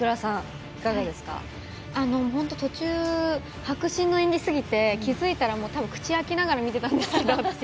途中迫真の演技過ぎて気付いたら、口を開けながら見てたんですけど、私。